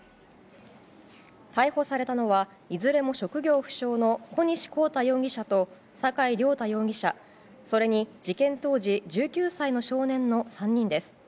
逮捕されたのはいずれも職業不詳の小西昂太容疑者と酒井亮太容疑者それに事件当時１９歳の少年の３人です。